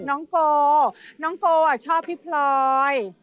น้องโกน้องโกชอบพี่พลอย